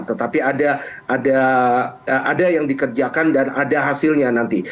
tetapi ada yang dikerjakan dan ada hasilnya nanti